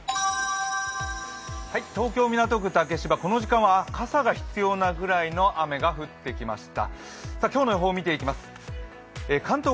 東京・港区竹芝、この時間は傘が必要なぐらいの雨が降ってきました。